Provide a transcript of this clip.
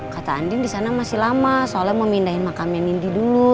kata andin disana masih lama soalnya mau pindahin makamnya nindi dulu